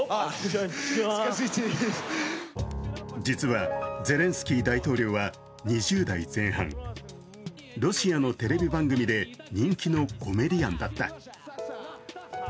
実はゼレンスキー大統領は２０代前半、ロシアのテレビ番組で人気のコメディアンだった。